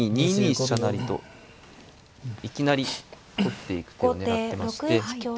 成といきなり取っていく手を狙ってまして。